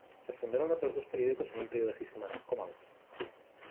Se fundaron otros dos periódicos en un periodo de seis semanas: "Come Out!